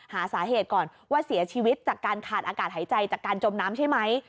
หาสาเหตุก่อนว่าเสียชีวิตจากการขาดอากาศหายใจจากการจมน้ำใช่ไหม